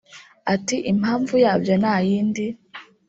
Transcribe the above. Ati “Impamvu yabyo nta yindi